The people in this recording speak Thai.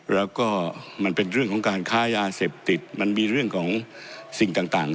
แล้วก็มันเป็นเรื่องของการค้ายาเสพติดมันมีเรื่องของสิ่งต่าง